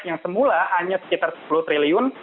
yang semula hanya sekitar sepuluh triliun